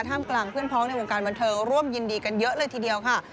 มกลางเพื่อนพ้องในวงการบันเทิงร่วมยินดีกันเยอะเลยทีเดียวค่ะ